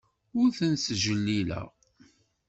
Ur ten-ttjellileɣ.